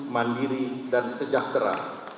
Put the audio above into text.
mandiri dan sejahtera